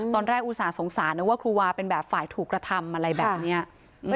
อุตส่าหสงสารนะว่าครูวาเป็นแบบฝ่ายถูกกระทำอะไรแบบนี้